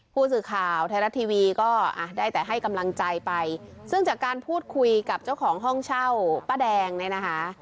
ผู้สื่อข่าวไทยรัฐทีวีก็ได้แต่ให้กำลังใจไปซึ่งจากการพูดคุยกับเจ้าของห้องเช่าป้าแดงเนี่ยนะคะ